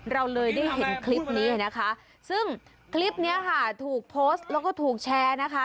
เราเลยได้เห็นคลิปนี้นะคะซึ่งคลิปนี้ค่ะถูกโพสต์แล้วก็ถูกแชร์นะคะ